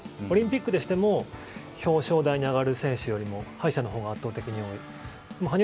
オリンピックにしても表彰台に上がる選手よりも敗者のほうが圧倒的に多い。